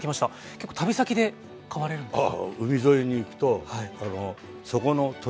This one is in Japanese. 結構旅先で買われるんですか？